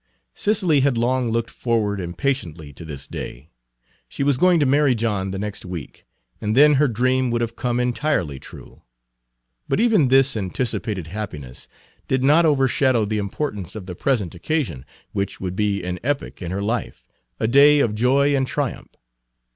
Cicely had long looked forward impatiently to this day. She was going to marry John the next week, and then her dream would have come entirely true. But even this anticipated happiness did not overshadow the importance of the present occasion, which would be an epoch in her life, a day of joy and triumph.